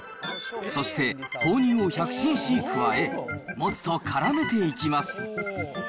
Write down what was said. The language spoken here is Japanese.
そして豆乳を１００ｃｃ加え、もつとからめていきます。